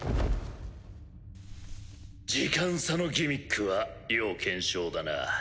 時間差のギミックは要検証だな。